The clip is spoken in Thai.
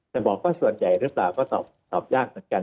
แต่บอกว่าส่วนใหญ่หรือเปล่าก็ตอบยากเหมือนกัน